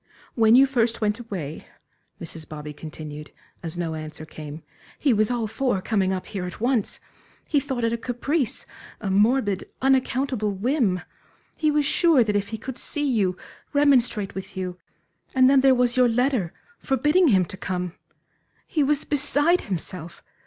"When you first went away," Mrs. Bobby continued, as no answer came, "he was all for coming up here at once. He thought it a caprice, a morbid, unaccountable whim; he was sure that if he could see you, remonstrate with you And then there was your letter, forbidding him to come. He was beside himself!